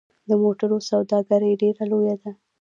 د موټرو سوداګري ډیره لویه ده